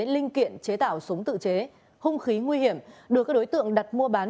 linh kiện chế tạo súng tự chế hung khí nguy hiểm được các đối tượng đặt mua bán